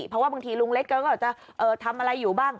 เพราะว่าบางทีลุงเล็กเขาก็จะทำอะไรอยู่บ้าง